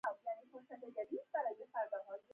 پښتو باید د نړۍ په ژبو کې وځلېږي.